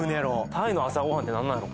タイの朝ご飯ってなんなんやろ？